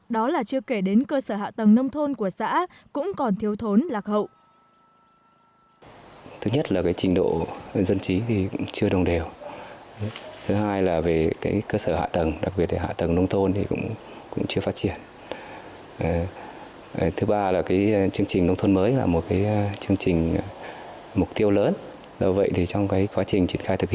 đó là chưa kể đến cơ sở hạ tầng nông thôn của xã cũng còn thiếu thốn lạc hậu